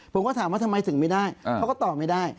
ผมก็ถามว่าทำไมถึงไม่ได้เขาก็ตอบไม่ได้